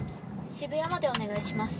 渋谷までお願いします。